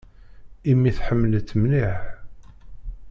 Imi tḥemmel-itt mliḥ.